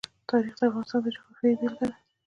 تاریخ د افغانستان د جغرافیې بېلګه ده.